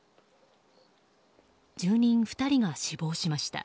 住人２人が死亡しました。